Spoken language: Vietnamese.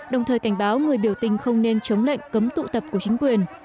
đưa ra cảnh báo người biểu tình không nên chống lệnh cấm tụ tập của chính quyền